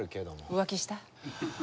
浮気した？